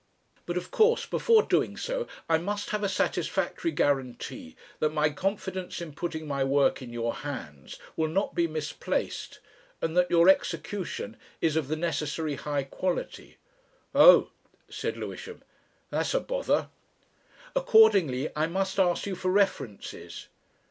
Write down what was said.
"But, of course, before doing so I must have a satisfactory guarantee that my confidence in putting my work in your hands will not be misplaced and that your execution is of the necessary high quality." "Oh!" said Lewisham; "that's a bother." "Accordingly I must ask you for references."